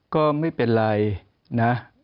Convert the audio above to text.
ก็ไม่เป็นไรนะ